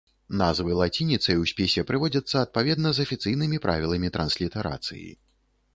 Назвы лацініцай у спісе прыводзяцца адпаведна з афіцыйнымі правіламі транслітарацыі.